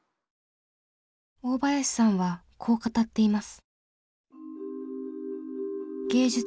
大林さんはこう語っています。